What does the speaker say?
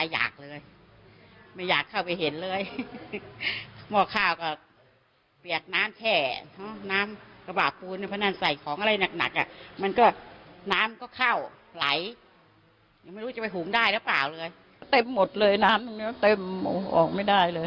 น๊ำเติมอะไรหมดเลยน้ำเรือนนี้อะเต็มออกมาไม่ได้เลย